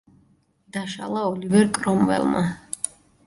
დაშალა ოლივერ კრომველმა.